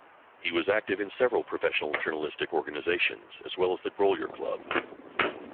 He was active in several professional journalistic organizations as well as the Grolier Club.